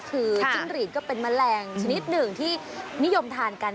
คือจิ้งหรีดก็เป็นแมลงชนิดหนึ่งที่นิยมทานกัน